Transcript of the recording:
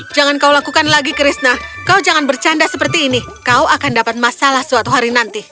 jangan kau lakukan lagi krishna kau jangan bercanda seperti ini kau akan dapat masalah suatu hari nanti